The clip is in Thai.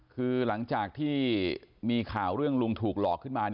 คือหลังจากที่มีข่าวเรื่องลุงถูกหลอกขึ้นมา